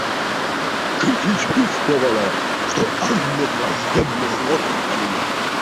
Кити чувствовала, что Анна враждебно смотрит на нее.